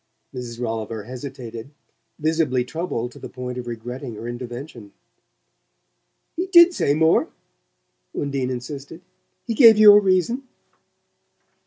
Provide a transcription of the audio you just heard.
'" Mrs. Rolliver hesitated, visibly troubled to the point of regretting her intervention. "He DID say more?" Undine insisted. "He gave you a reason?